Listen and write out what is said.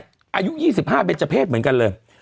อายุ๒๕เบรชเผศเหมือนกันเลย